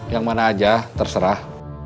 yang mana aja terserah